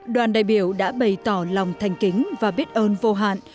đoàn đại biểu đã bày tỏ lòng thành kính và biết ơn vô hạn